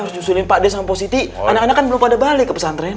harus nyusulin pak desang positi anak anak kan belum pada balik ke pesantren